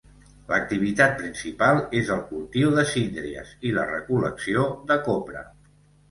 L'activitat principal és el cultiu de síndries i la recol·lecció de copra.